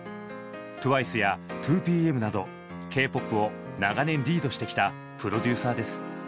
ＴＷＩＣＥや２ＰＭなどＫ−ＰＯＰを長年リードしてきたプロデューサーです。